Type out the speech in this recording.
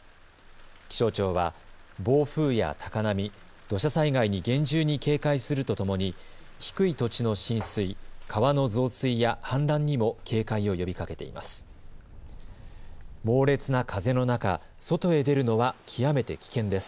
気象庁は暴風や高波、土砂災害に厳重に警戒するとともに低い土地の浸水、川の増水や氾濫にも警戒を呼びかけています。